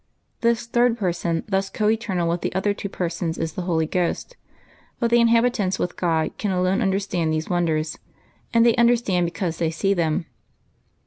This third Person, thus co eternal with the other two Persons, is the Holy Ghost. But the inhabitants with God can alone understand these wonders, and the}^ understand because they see them.